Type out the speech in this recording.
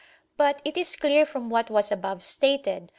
But it is clear from what was above stated (Q.